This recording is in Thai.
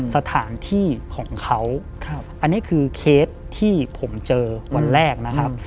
สถานที่ของเขาอันนี้คือเคสที่ผมเจอวันแรกนะครับ